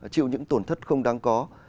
chịu những tổn thất không đáng có